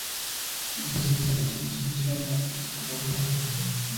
En sus instalaciones funciona una escuela rural.